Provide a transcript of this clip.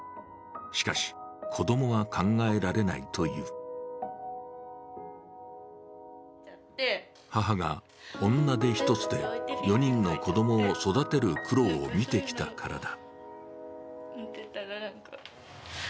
しかし、子供は考えられないという母が女手一つで４人の子供を育てる苦労を見てきたからだ。